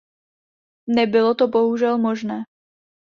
Nebylo to bohužel možné.